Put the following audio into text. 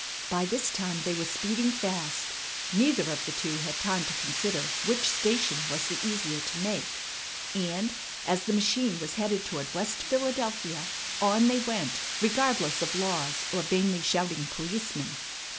By this time they were speeding fast. Neither of the two had time to consider which station was the easier to make; and, as the machine was headed toward West Philadelphia, on they went, regardless of laws or vainly shouting policemen.